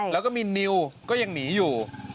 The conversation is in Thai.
แล้วก็มีนิวก็ยังหนีอยู่